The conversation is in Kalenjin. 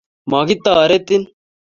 Mokitoretin.